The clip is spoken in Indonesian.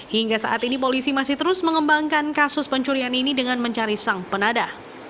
hingga saat ini polisi masih terus mengembangkan kasus pencurian ini dengan mencari sang penada